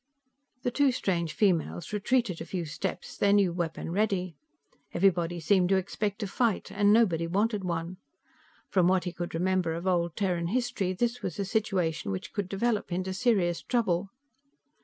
The two strange females retreated a few steps, their new weapon ready. Everybody seemed to expect a fight, and nobody wanted one. From what he could remember of Old Terran history, this was a situation which could develop into serious trouble.